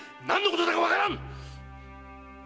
何のことだかわからん‼